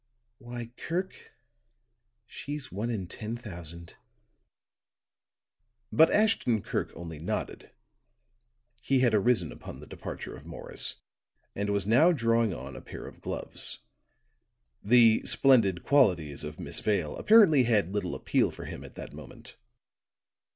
Why, Kirk, she's one in ten thousand." But Ashton Kirk only nodded; he had arisen upon the departure of Morris, and was now drawing on a pair of gloves. The splendid qualities of Miss Vale apparently had little appeal for him at that moment.